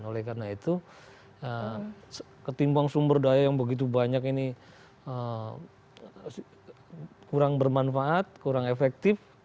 oleh karena itu ketimbang sumber daya yang begitu banyak ini kurang bermanfaat kurang efektif